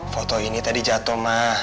foto ini tadi jatuh mah